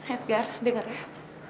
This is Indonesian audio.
edgar denger ya